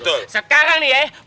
di sekarang nih yahey